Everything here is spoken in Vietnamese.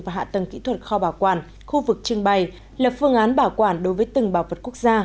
và hạ tầng kỹ thuật kho bảo quản khu vực trưng bày lập phương án bảo quản đối với từng bảo vật quốc gia